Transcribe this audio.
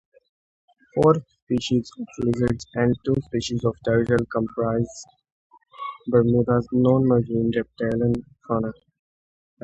Four species of lizard and two species of turtle comprise Bermuda's non-marine reptilian fauna.